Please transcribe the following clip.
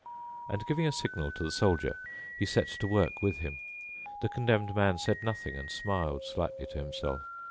And, giving a signal to the Soldier, he set to work with him. The Condemned Man said nothing and smiled slightly to himself.